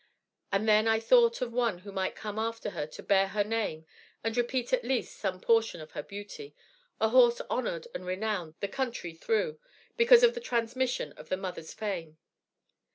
And then I thought of one who might come after her to bear her name and repeat at least some portion of her beauty a horse honored and renowned the country through, because of the transmission of the mother's fame.